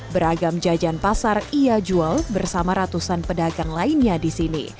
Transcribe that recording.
beragam jajan pasar ia jual bersama ratusan pedagang lainnya di sini